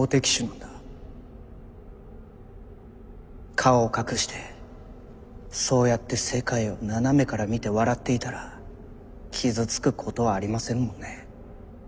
顔を隠してそうやって世界を斜めから見て笑っていたら傷つくことはありませんもんね。